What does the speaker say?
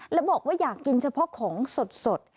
แล้วบอกว่าอยากกินเฉพาะของสด